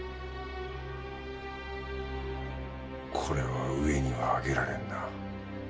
これは上にはあげられんな。